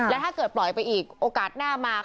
แล้วถ้าเกิดปล่อยไปอีกโอกาสหน้ามา